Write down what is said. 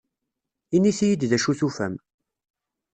Init-iyi-d d acu tufam.